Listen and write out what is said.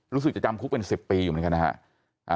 รู้สึกจะจำคุกเป็น๑๐ปีอยู่เหมือนกันนะฮะ